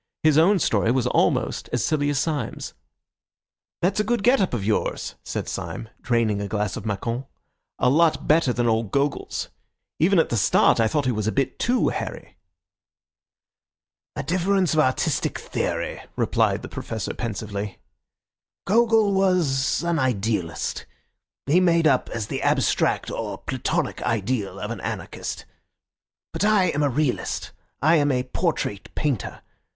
His own story was almost as silly as Syme's. "That's a good get up of yours," said Syme, draining a glass of Macon; "a lot better than old Gogol's. Even at the start I thought he was a bit too hairy." "A difference of artistic theory," replied the Professor pensively. "Gogol was an idealist. He made up as the abstract or platonic ideal of an anarchist. But I am a realist. I am a portrait painter.